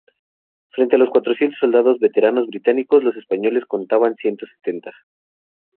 Frente a los cuatrocientos soldados veteranos británicos, los españoles contaban ciento setenta.